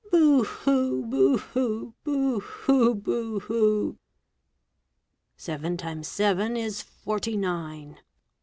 Boo hoo! boo hoo! boo hoo! boo hoo! Seven times seven is forty nine.